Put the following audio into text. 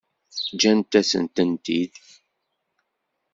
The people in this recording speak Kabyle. Ǧǧant-asent-tent-id.